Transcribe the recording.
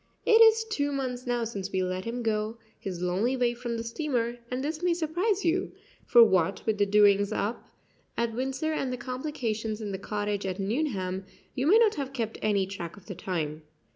It is two months now since we let him go his lonely way from the steamer; and this may surprise you, for what with the doings up at Windsor and the complications in the cottage at Nuneham, you may not have kept any track of the time.